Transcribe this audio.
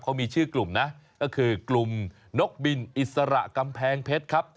เขามีชื่อกลุ่มนะก็คือกลุ่มนกบินอิสระกำแพงเพชรครับ